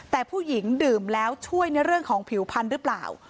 แต่ผู้หญิงดื่มแล้วช่วยในเรื่องของผิวพันธุ์หรือเปล่า